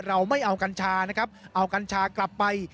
เราไม่เอากัญชานะครับเอากัญชากลับไป